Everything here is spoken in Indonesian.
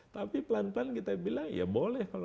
tapi pelan pelan kita bilang ya boleh